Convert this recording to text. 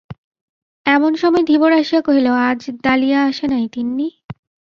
এমন সময় ধীবর আসিয়া কহিল, আজ দালিয়া আসে নাই তিন্নি?